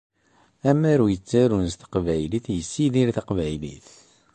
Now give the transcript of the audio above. Amaru yettarun s Taqbaylit yessidir Taqbaylit.